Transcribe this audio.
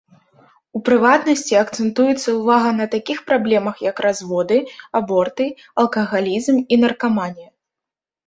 У прыватнасці, акцэнтуецца ўвага на такіх праблемах як разводы, аборты, алкагалізм і наркаманія.